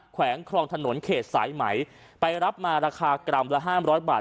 แวงครองถนนเขตสายไหมไปรับมาราคากรัมละห้ามร้อยบาท